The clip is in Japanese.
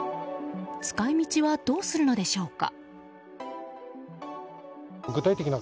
使い道は、どうするのでしょうか。